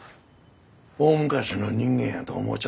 大昔の人間やと思うちょったか？